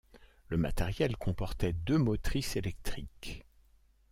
Le matériel comportait deux motrices électriques.